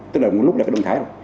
tức là môn lịch sử là cái động thái